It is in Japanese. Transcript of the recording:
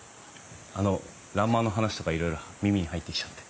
あの欄間の話とかいろいろ耳に入ってきちゃって。